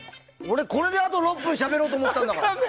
これであと６分しゃべろうと思ってたのに。